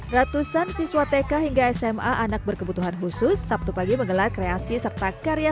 ratusan siswa tk hingga sma anak berkebutuhan khusus sabtu pagi menggelar kreasi serta karya